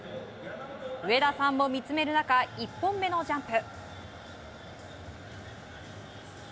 上田さんも見つめる中１本目のジャンプ。